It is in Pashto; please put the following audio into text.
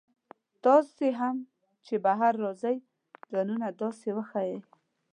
تاسي هم چې بهر راځئ ځانونه داسې وښایئ.